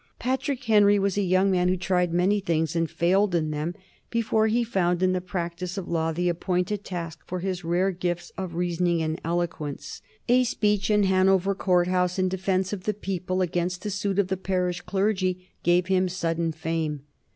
Patrick Henry was a young man who tried many things and failed in them before he found in the practice of the law the appointed task for his rare gifts of reasoning and of eloquence. A speech in Hanover Court House in defence of the people against a suit of the parish clergy gave him sudden fame.